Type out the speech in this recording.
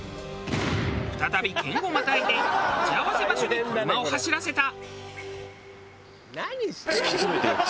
再び県をまたいで待ち合わせ場所に車を走らせた。